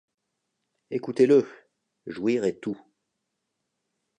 Écoutez-le: — Jouir est tout.